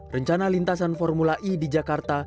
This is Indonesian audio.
rencana lintasan formula e di jakarta